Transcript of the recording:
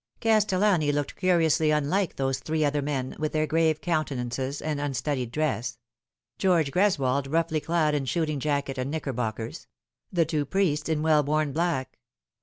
Castellani looked curiously unlike those three other men, with their grave countenances and unstudied dress: George Greswold roughly clad in shooting jacket and knickerbockers ; the two priests in well worn black.